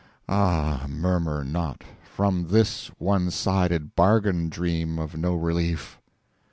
Ah, murmur not From this one sided Bargain dream of no Relief!